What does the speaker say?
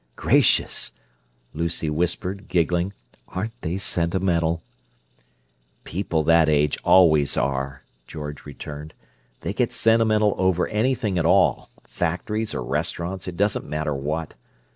"Gracious!" Lucy whispered, giggling. "Aren't they sentimental" "People that age always are," George returned. "They get sentimental over anything at all. Factories or restaurants, it doesn't matter what!"